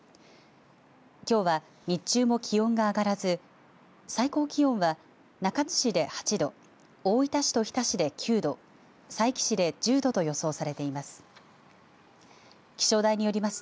きょうは日中も気温が上がらず最高気温は中津市で８度大分市と日田市で９度佐伯市で１０度と予想されています。